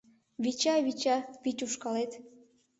Вича, вича, вич ушкалет